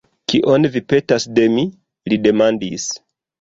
Kion vi petas de mi? li demandis.